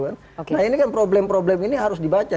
nah ini kan problem problem ini harus dibaca